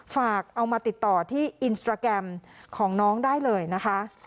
ฝากเอามาติดต่อที่อินสตราแกรมของน้องได้เลยนะคะ